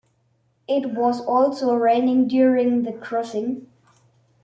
It was also raining during the crossing.